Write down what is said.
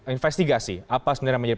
investigasi apa sebenarnya